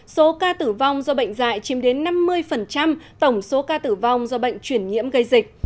số ca tử vong do bệnh dạy chìm đến năm mươi tổng số ca tử vong do bệnh chuyển nhiễm gây dịch